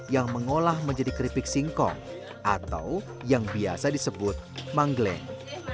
yang mengolah menjadi keripik singkong atau yang biasa disebut manggleng